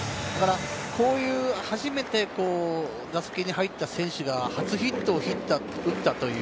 こういう、初めて打席に入った選手が初ヒットを打ったと。